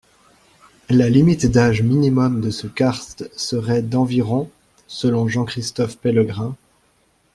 La limite d'âge minimum de ce karst serait d'environ - selon Jean-Christophe Pellegrin.